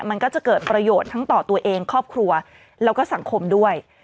มันก็จะเกิดประโยชน์ทั้งต่อตัวเองครอบครัวแล้วก็สังคมด้วย